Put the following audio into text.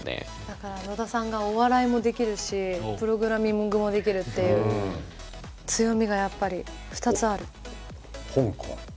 だから野田さんがお笑いもできるしプログラミングもできるという強みがやっぱり２つある。